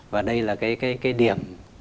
và đây là cái điểm